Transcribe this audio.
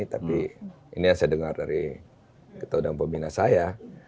tapi ini yang saya dengar dari ketua dan pembina saya